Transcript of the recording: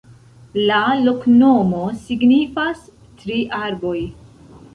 La loknomo signifas: tri arboj.